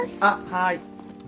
はい。